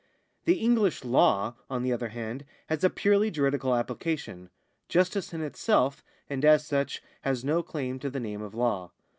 The English law, on the other hand, has a purely juridical application ; justice in itself, and as such, has no claim to the name of law.